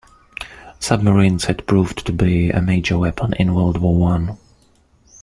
Submarines had proved to be a major weapon in World War One.